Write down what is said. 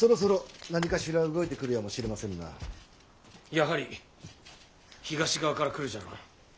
やはり東側から来るじゃろうな。